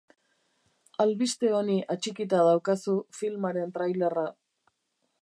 Albiste honi atxikita daukazu filmaren trailerra.